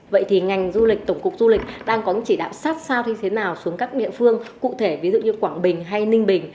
vậy thì ngành du lịch tổng cục du lịch đang có những chỉ đạo sát sao như thế nào xuống các địa phương cụ thể ví dụ như quảng bình hay ninh bình